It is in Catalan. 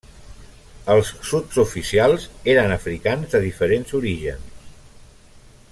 Els sotsoficials eren africans de diferents orígens.